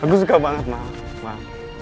aku suka banget maaf